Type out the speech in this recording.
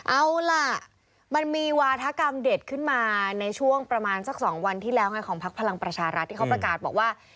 เอาล่ะมันมีวาธกรรมเด็ดขึ้นมาในช่วงประมาณสัก๒วันที่แล้วไงของพักพลังประชารัฐที่เขาประกาศบอกว่า